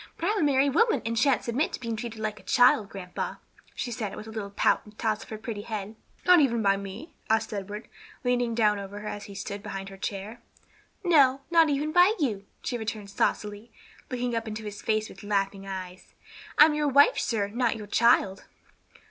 "But I'm a married woman and sha'n't submit to being treated like a child, grandpa," she said, with a little pout and a toss of her pretty head. "Not even by me?" asked Edward, leaning down over her as he stood behind her chair. "No, not even by you," she returned saucily, looking up into his face with laughing eyes. "I'm your wife, sir, not your child."